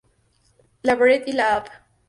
La Brea y la Av.